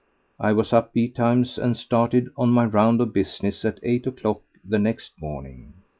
I was up betimes and started on my round of business at eight o'clock the next morning.